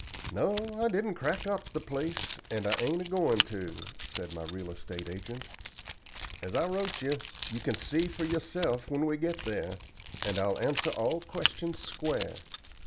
"No, I didn't crack up the place, and I ain't a goin' to," said my real estate agent. "As I wrote you, you can see for yourself when we get there, and I'll answer all questions square.